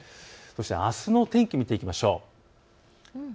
あすの天気、見ていきましょう。